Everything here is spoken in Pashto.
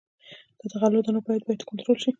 د غلو دانو بیه باید کنټرول شي.